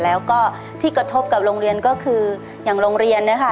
แล้วก็ที่กระทบกับโรงเรียนก็คืออย่างโรงเรียนนะคะ